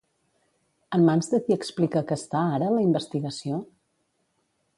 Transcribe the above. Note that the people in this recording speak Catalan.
En mans de qui explica que està ara la investigació?